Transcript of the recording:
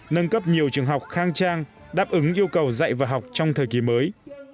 nâng cấp nhiều trường học khang trang đáp ứng yêu cầu dạy và học trong thời kỳ mới